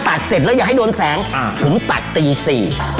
เสร็จแล้วอย่าให้โดนแสงอ่าผมตัดตีสี่